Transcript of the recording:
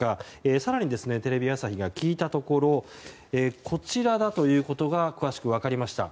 更に、テレビ朝日が聞いたところこちらだということが詳しく分かりました。